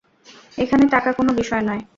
এখানে টাকা কোনও বিষয় নয়।